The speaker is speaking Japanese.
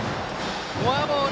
フォアボール。